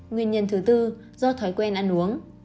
nguyên nhân thứ bốn do thói quen ăn uống